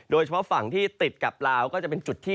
โดยเฉพาะฝั่งที่ติดกับเรา